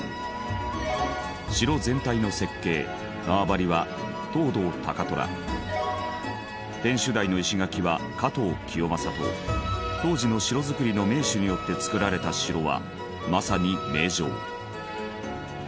城全体の設計・縄張は藤堂高虎天守台の石垣は加藤清正と当時の城造りの名手によって造られた城はまさに名城。